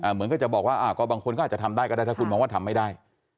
เหมือนก็จะบอกว่าบางคนก็อาจจะทำได้ก็ได้ถ้าคุณมองว่าทำไม่ได้